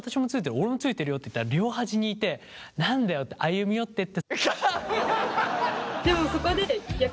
「俺も着いてるよ」って言ったら両端にいて「何だよ」って歩み寄ってって。